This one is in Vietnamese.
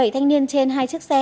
bảy thanh niên trên hai chiếc xe